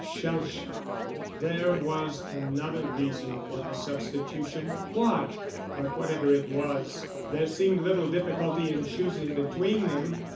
Shell shock! There was another reason for the substitution. What? But whatever it was, there seemed little difficulty in choosing between them.